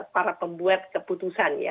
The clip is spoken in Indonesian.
para pembuat keputusan ya